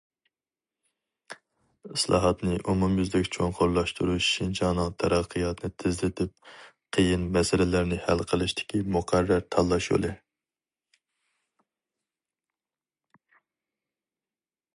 ئىسلاھاتنى ئومۇميۈزلۈك چوڭقۇرلاشتۇرۇش شىنجاڭنىڭ تەرەققىياتنى تېزلىتىپ، قىيىن مەسىلىلەرنى ھەل قىلىشتىكى مۇقەررەر تاللاش يولى.